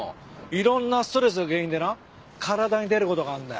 いろんなストレスが原因でな体に出る事があるんだよ。